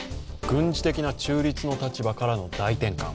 軍事的な中立の立場からの大転換。